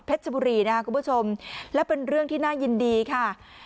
ชบุรีนะครับคุณผู้ชมและเป็นเรื่องที่น่ายินดีค่ะ